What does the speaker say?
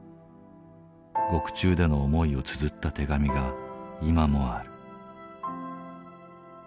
獄中での思いをつづった手紙が今もある。